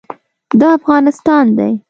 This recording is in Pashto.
دا افغانستان دی.